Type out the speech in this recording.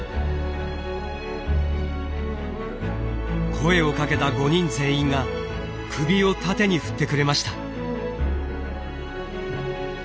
声をかけた５人全員が首を縦に振ってくれました。